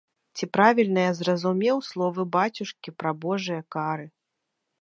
Ці правільна я зразумеў словы бацюшкі пра божыя кары?